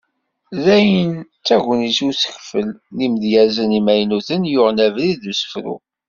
Daɣen d tagnit i usekfel n yimedyazen imaynuten yuɣen abrid n usefru.